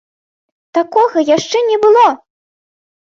Такога яшчэ не было!